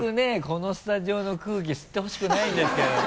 このスタジオの空気吸ってほしくないんですけど。